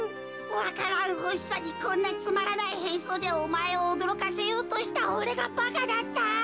わか蘭ほしさにこんなつまらないへんそうでおまえをおどろかせようとしたおれがばかだった。